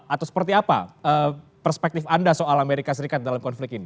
atau seperti apa perspektif anda soal amerika serikat dalam konflik ini